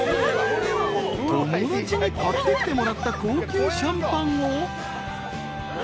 ［友達に買ってきてもらった高級シャンパンを］